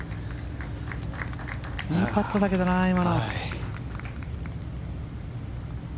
いいパットだけどな今の。